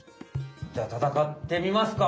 じゃあたたかってみますか？